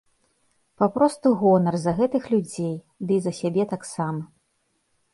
Папросту гонар за гэтых людзей, дый за сябе таксама.